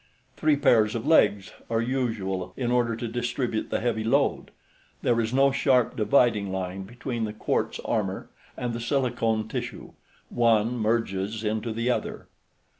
Three pairs of legs are usual in order to distribute the heavy load. There is no sharp dividing line between the quartz armor and the silicone tissue. One merges into the other.